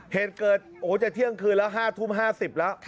เหตุเกิดจะเที่ยงคืนแล้ว๕ทุ่ม๕๐แล้ว